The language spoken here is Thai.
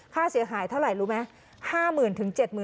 ค่าเสียหายเท่าไหร่รู้ไหม